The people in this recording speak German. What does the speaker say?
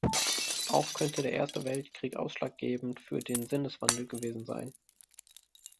Auch könnte der Erste Weltkrieg ausschlaggebend für den Sinneswandel gewesen sein.